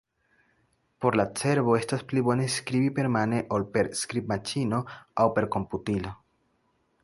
Por la cerbo, estas pli bone skribi permane ol per skribmaŝino aŭ per komputilo.